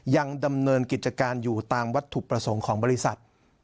ยังดำเนินกิจการอยู่ตามวัตถุประสงค์ของบริษัท